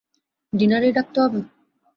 ডিনারেই ডাকতে হবে?